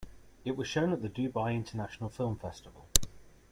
It was shown at the Dubai International Film Festival.